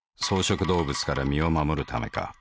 草食動物から身を護るためか。